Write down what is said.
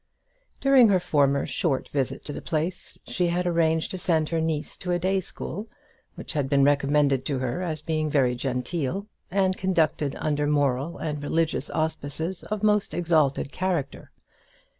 During her former short visit to the place she had arranged to send her niece to a day school which had been recommended to her as being very genteel, and conducted under moral and religious auspices of most exalted character.